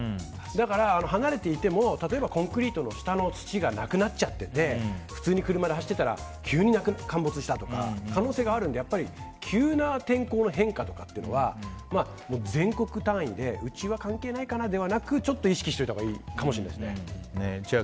だから、離れていてもコンクリートの下の土がなくなっちゃってて普通に車で走ってたら急に陥没したとかっていう可能性があるのでやっぱり急な天候の変化って全国単位でうちは関係ないじゃなくてちょっと意識しておいたほうがいいかもしれないですね。